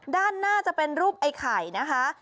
ด้านหน้าจะเป็นรูปไอ้ไข่นะคะ